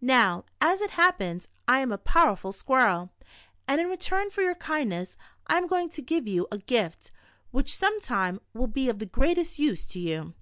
Now, as it happens, I am a powerful squirrel, and in re turn for your kindness, I am going to give you a gift, which some time will be of the greatest use to you.